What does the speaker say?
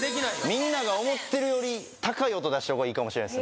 みんなが思ってるより高い音出したほうがいいかもしれないですね